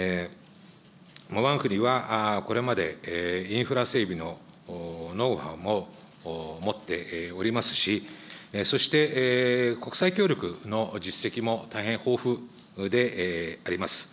わが国はこれまで、インフラ整備のノウハウも持っておりますし、そして国際協力の実績も大変豊富であります。